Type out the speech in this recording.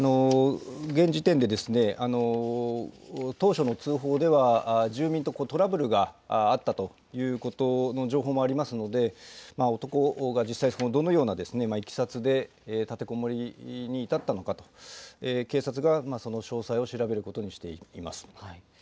現時点で、当初の通報では、住民とトラブルがあったということの情報もありますので、男が実際、どのようないきさつで、立てこもりに至ったのかと、警察がその詳細を調べることにしています。